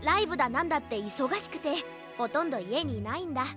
なんだっていそがしくてほとんどいえにいないんだ。